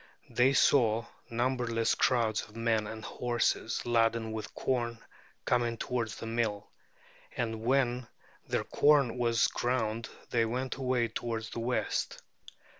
They saw numberless crowds of men and horses laden with corn coming towards the mill; and when their corn was ground they went away towards the west.